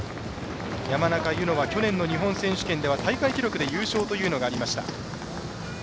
山中柚乃、去年の日本選手権で優勝というのがありました。